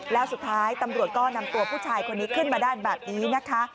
แล้วสุดท้ายตำรวจก็นำตัวผู้ชายคนนี้ขึ้นมาได้แบบนี้นะคะ